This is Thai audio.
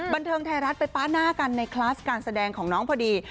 บันเทิงไทยรัฐไปป๊าหน้ากันในคลาสการแสดงของน้องพอดี